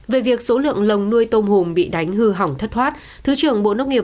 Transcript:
về việc số lượng lồng nuôi tôm hùm bị đánh hư hỏng thất thoát thứ trưởng bộ nông nghiệp